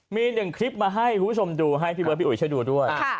มีหนึ่งคลิปมาให้คุณผู้ชมดูให้พี่เบิร์พี่อุ๋ยช่วยดูด้วย